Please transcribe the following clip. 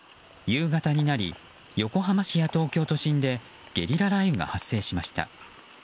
夕方になり、横浜市や東京都心でゲリラ雷雨が発生しました。